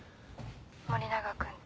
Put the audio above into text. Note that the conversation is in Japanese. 森永君ち。